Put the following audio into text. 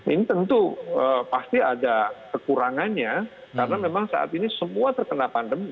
ini tentu pasti ada kekurangannya karena memang saat ini semua terkena pandemi